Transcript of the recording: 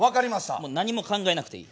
もう何も考えなくていい。